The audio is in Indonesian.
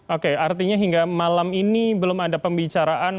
oke artinya hingga malam ini belum ada pembicaraan